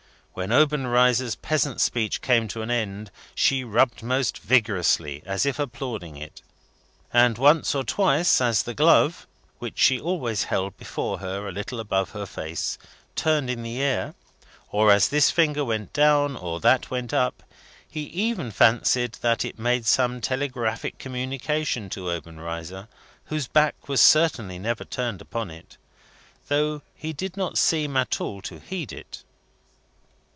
When Obenreizer's peasant speech came to an end, she rubbed most vigorously, as if applauding it. And once or twice, as the glove (which she always held before her a little above her face) turned in the air, or as this finger went down, or that went up, he even fancied that it made some telegraphic communication to Obenreizer: whose back was certainly never turned upon it, though he did not seem at all to heed it.